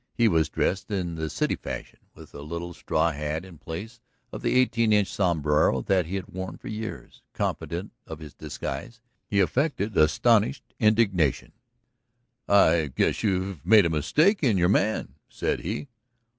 He was dressed in the city fashion, with a little straw hat in place of the eighteen inch sombrero that he had worn for years. Confident of this disguise, he affected astonished indignation. "I guess you've made a mistake in your man," said he.